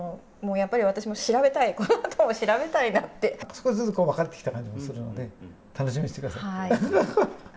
少しずつ分かってきた感じもするので楽しみにしてください。